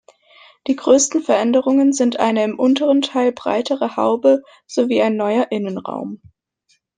Die größten Veränderungen sind eine im unteren Teil breitere Haube sowie ein neuer Innenraum.